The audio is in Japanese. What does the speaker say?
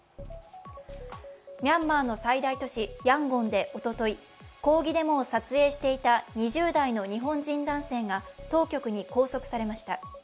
ミャンマーの最大都市ヤンゴンでおととい、抗議デモを撮影していた２０代の日本人男性が当局に拘束されました。